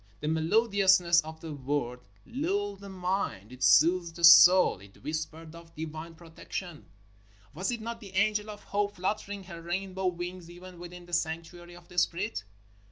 The melodiousness of the word lulled the mind. It soothed the soul. It whispered of divine protection. Was it not the angel of Hope flut tering her rainbow wings, even within the sanctuary of the Spirit?